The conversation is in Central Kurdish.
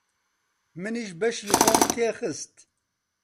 منیش بەشی خۆم تێ خست.